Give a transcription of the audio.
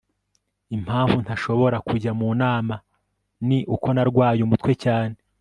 impamvu ntashobora kujya mu nama ni uko narwaye umutwe cyane